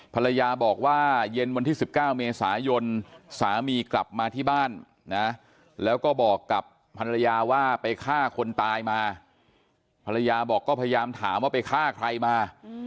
ภรรยาบอกว่าเย็นวันที่๑๙เมษายนสามีกลับมาที่บ้านนะแล้วก็บอกกับภรรยาว่าไปฆ่าคนตายมาภรรยาบอกก็พยายามถามว่าไปฆ่าใครมา